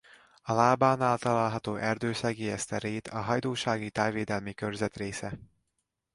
A lábánál található erdő-szegélyezte rét a Hajdúsági Tájvédelmi Körzet része.